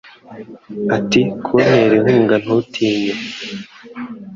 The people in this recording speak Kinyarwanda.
ati kuntera inkunga Ntutinye